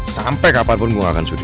sampai kapanpun gue gak akan sudik